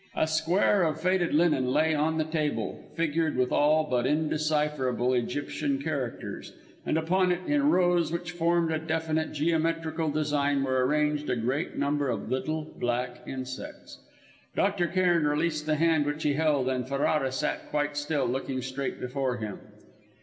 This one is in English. A square of faded linen lay on the table, figured with all but indecipherable Egyptian characters, and upon it, in rows which formed a definite geometrical design, were arranged a great number of little, black insects. Dr. Cairn released the hand which he held, and Ferrara sat quite still, looking straight before him.